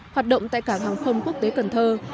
hoạt động tại cảng hàng không quốc tế cần thơ